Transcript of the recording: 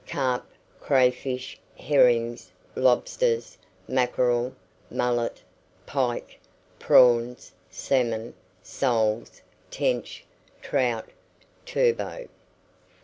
Carp, crayfish, herrings, lobsters, mackerel, mullet, pike, prawns, salmon, soles, tench, trout, turbot.